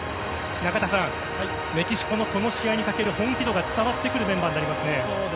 中田さん、メキシコのこの試合にかける本気度が伝わってくるメンバーになりますね。